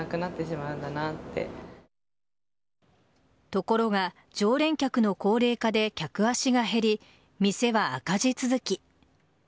ところが常連客の高齢化で客足が減り店は赤字続き。